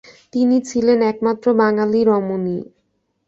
তিনি ছিলেন একমাত্র বাঙালি রমণী।